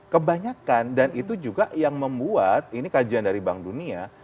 kebanyakan dan itu juga yang membuat ini kajian dari bank dunia